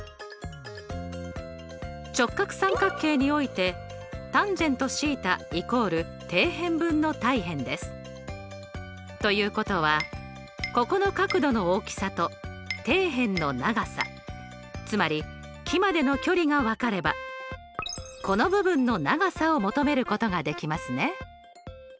直角三角形においてということはここの角度の大きさと底辺の長さつまり木までの距離が分かればこの部分の長さを求めることができますね。